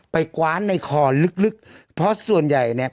กว้านในคอลึกลึกเพราะส่วนใหญ่เนี่ย